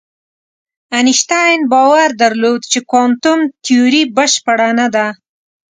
انشتین باور درلود چې کوانتم تیوري بشپړه نه ده.